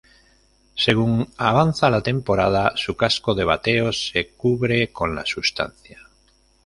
Según avanza la temporada, su casco de bateo se cubre con la sustancia.